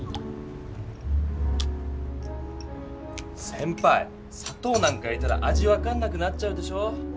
せんぱいさとうなんか入れたら味分かんなくなっちゃうでしょ！